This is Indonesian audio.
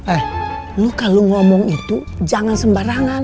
eh kalau kamu itu ngomong jangan sembarangan